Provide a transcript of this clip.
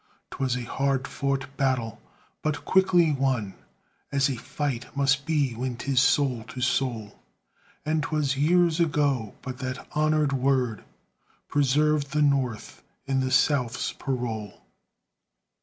'Twas a hard fought battle, but quickly won, As a fight must be when 'tis soul to soul, And 'twas years ago; but that honored word Preserved the North in the South's parole.